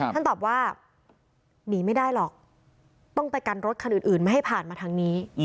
ท่านตอบว่าหนีไม่ได้หรอกต้องไปกันรถคันอื่นไม่ให้ผ่านมาทางนี้